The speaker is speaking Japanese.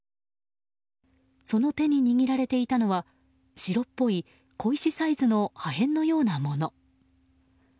その手に握られていたのは白っぽい小石サイズの破片のようなもの。